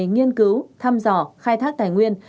nghiên cứu thăm dò khai thác tài nguyên